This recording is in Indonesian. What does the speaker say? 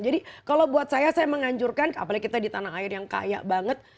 jadi kalau buat saya saya menganjurkan apalagi kita di tanah air yang kaya banget